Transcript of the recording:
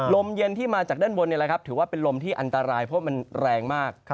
ลมเย็นที่มาจากด้านบนถือว่าเป็นลมที่อันตรายเพราะมันแรงมาก